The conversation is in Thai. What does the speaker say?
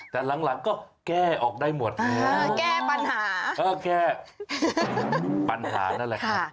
แต่หลังก็แก้ออกได้หมดแก้ปัญหาเออแก้ปัญหานั่นแหละค่ะ